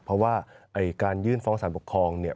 เพราะว่าการยื่นฟ้องสารปกครองเนี่ย